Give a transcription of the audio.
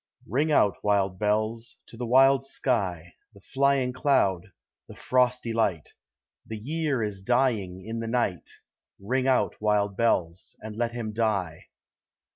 Ring out, wild bells, to the wild sky, The flying cloud, the frosty light: The year is dying in the night; Ring out, wild bells, and let him die.